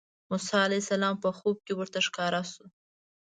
موسی علیه السلام په خوب کې ورته ښکاره شو.